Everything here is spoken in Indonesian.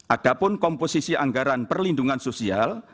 adapun komposisi anggaran perlindungan sosial